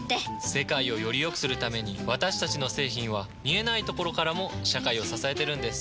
世界をよりよくするために私たちの製品は見えないところからも社会を支えてるんです。